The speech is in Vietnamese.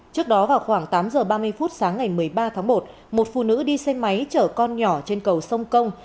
trước đó vào khoảng tám h ba mươi phút sáng ngày một mươi ba tháng một một phụ nữ đi xe máy chở con nhỏ trên cầu sông công